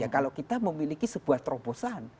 kalau kita memiliki sebuah terobosan